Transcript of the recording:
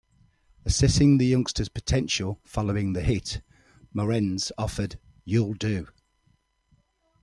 Assessing the youngster's potential following the hit, Morenz offered, "you'll do".